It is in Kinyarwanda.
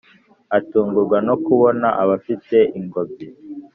atungurwa no kubona abafite ingobyi